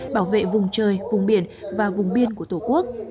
bảo vệ vùng trời vùng biển và vùng biên của tổ quốc